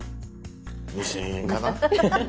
２，０００円かな。